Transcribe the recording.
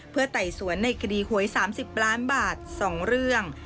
เพื่อไต่สวนในคดีหวยสามสิบล้านบาทสองเรื่อง